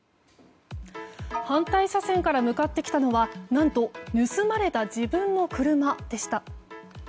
反対車線から向かってきたのは何と盗まれた自分の車でした。